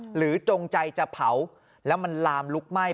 จงใจจะเผาแล้วมันลามลุกไหม้